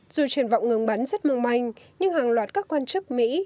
dù triển vọng ngừng bắn rất mong manh nhưng hàng loạt các quan chức mỹ